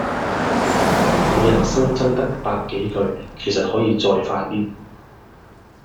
每日新增得百幾句，其實可以再快啲